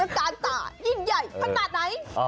การตายิ่งใหญ่ขนาดไหน